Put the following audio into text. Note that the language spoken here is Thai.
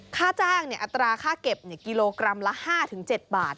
ค่าจ้างอัตราค่าเก็บกิโลกรัมละ๕๗บาท